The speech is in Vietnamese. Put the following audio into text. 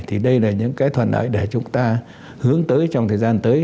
thì đây là những cái thuận lợi để chúng ta hướng tới trong thời gian tới